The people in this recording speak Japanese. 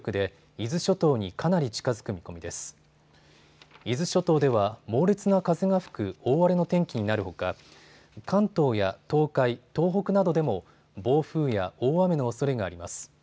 伊豆諸島では猛烈な風が吹く大荒れの天気になるほか関東や東海、東北などでも暴風や大雨のおそれがあります。